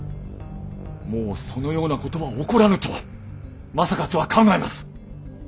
もうそのようなことは起こらぬと正勝は考えます！